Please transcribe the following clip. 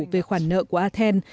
về khoản nợ của aten